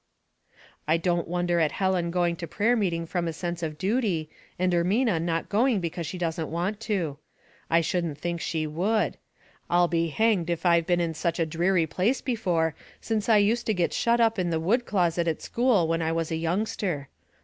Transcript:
" I don't wonder at Helen going to prayer meeting from a sense of duty, and Ermuia not going because she doesn't want to. I shouldn't think she would. I'll be hanged if I've been in Such a dreary place before since I used to get shut up in the wood closet at school when I was a youngster.